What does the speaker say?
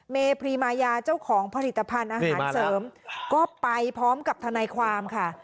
พรีมายาเจ้าของผลิตภัณฑ์อาหารเสริมก็ไปพร้อมกับทนายความค่ะ